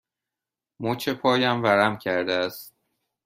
مچ پایم ورم کرده است.